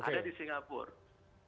ada di singapura